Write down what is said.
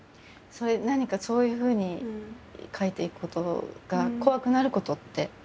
何かそういうふうに書いていくことが怖くなることってないですか？